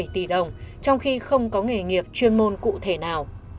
một mươi tỷ đồng trong khi không có nghề nghiệp chuyên môn cụ thể nào